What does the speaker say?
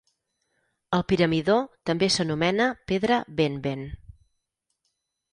El piramidó també s'anomena "pedra Benben".